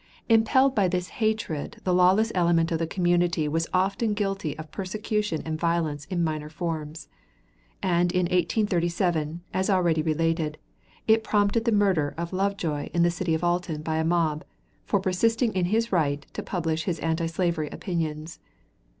Impelled by this hatred the lawless element of the community was often guilty of persecution and violence in minor forms, and in 1837, as already related, it prompted the murder of Lovejoy in the city of Alton by a mob, for persisting in his right to publish his antislavery opinions.